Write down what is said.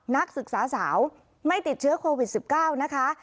นักศึกษาสาวไม่ติดเชื้อโควิด๑๙นะคะ